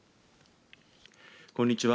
こんにちは。